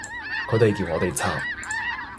佢哋叫我哋拆